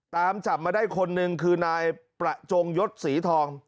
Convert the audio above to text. ตามจับมาได้คนหนึ่งคือนายประจงยศสีทอง